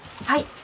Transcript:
はい。